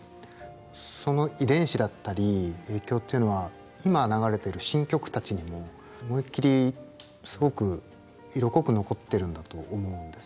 その遺伝子だったり影響っていうのは今流れてる新曲たちにも思いっきりすごく色濃く残ってるんだと思うんですよね。